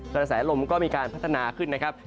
กระแสลมก็มีการพัฒนาขึ้นนะครับ